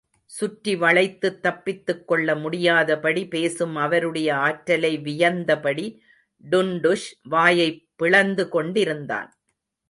சுற்றி வளைத்து தப்பித்துக் கொள்ள முடியாதபடி பேசும் அவருடைய ஆற்றலை வியந்தபடி டுன்டுஷ் வாயைப் பிளந்து கொண்டிருந்தான்.